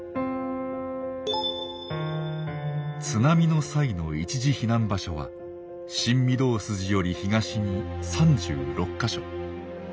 津波の際の一時避難場所は新御堂筋より東に３６か所。